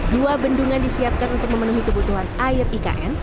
dua bendungan disiapkan untuk memenuhi kebutuhan air ikn